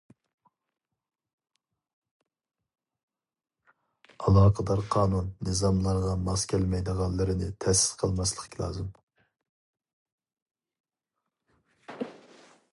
ئالاقىدار قانۇن- نىزاملارغا ماس كەلمەيدىغانلىرىنى تەسىس قىلماسلىق لازىم.